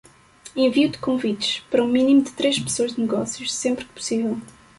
Envio de convites: para um mínimo de três pessoas de negócios, sempre que possível.